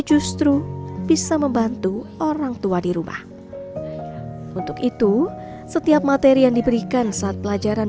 justru bisa membantu orang tua di rumah untuk itu setiap materi yang diberikan saat pelajaran